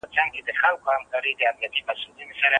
د خليفه راشد امير المؤمين عمرُ بنُ الخطّاب څخه روايت دی